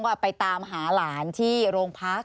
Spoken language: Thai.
ไปตามหาหลานที่โรงพัก